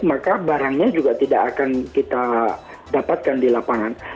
maka barangnya juga tidak akan kita dapatkan di lapangan